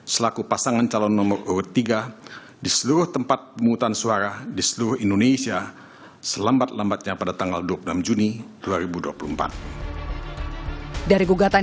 selaku pasangan calon nomor urut tiga